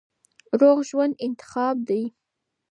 روغ ژوند انتخاب دی.